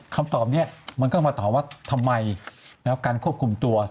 คำตอบนี้มันก็มาตอบว่าทำไมการควบคุมตัว